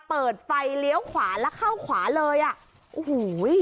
เปิดไฟเลี้ยวขวาแล้วเข้าขวาเลยอ่ะโอ้โห